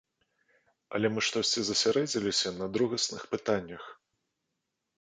Але мы штосьці засярэдзіліся на другасных пытаннях.